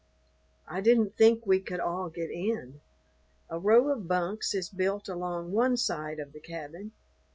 I didn't think we could all get in. A row of bunks is built along one side of the cabin.